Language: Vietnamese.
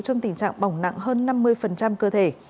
trong tình trạng bỏng nặng hơn năm mươi cơ thể